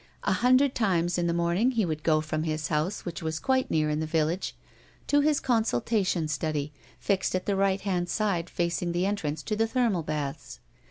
A hundred times, in the morning, he would go from his house which was quite near in the village to his consultation study fixed at the right hand side facing the entrance to the thermal baths.